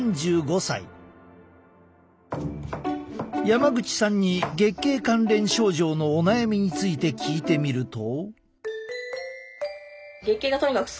山口さんに月経関連症状のお悩みについて聞いてみると。